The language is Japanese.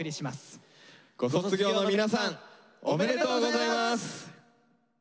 ご卒業の皆さんおめでとうございます。